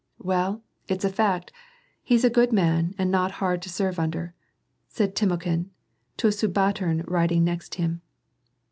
" Well, it's a fact, he's a good man and not hard to serve under," said Timokhin to a subaltern riding next him.